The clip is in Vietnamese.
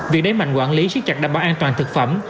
việc đẩy mạnh quản lý siết chặt đảm bảo an toàn thực phẩm